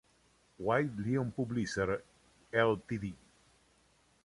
White Lion Publishers Ltd.